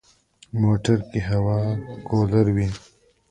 موټر کې هوا کولر وي.